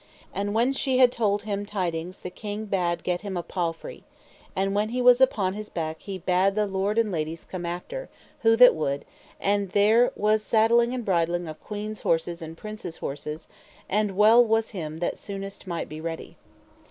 And when she had told him tidings the king bade get him a palfrey. And when he was upon his back he bade the lords and ladies come after, who that would; and there was saddling and bridling of queens' horses and princes' horses, and well was him that soonest might be ready.